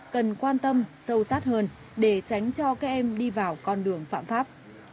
cần quan tâm sâu sát hơn để tránh cho các em đi vào con đường phạm pháp